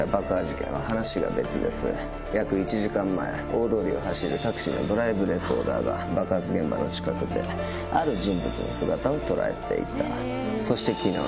約１時間前大通りを走るタクシーのドライブレコーダーが爆発現場の近くである人物の姿を捉えていた。